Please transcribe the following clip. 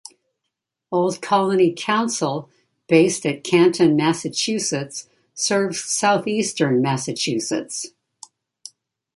Old Colony Council based at Canton, Massachusetts serves southeastern Massachusetts.